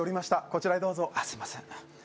こちらへどうぞあっすいません